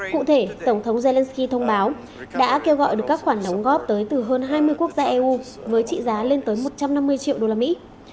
cụ thể tổng thống zelenskyy thông báo đã kêu gọi được các khoản đóng góp tới từ hơn hai mươi quốc gia eu với trị giá lên tới một trăm năm mươi triệu đô la mỹ